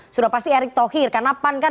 sudah pasti erick thohir karena pan kan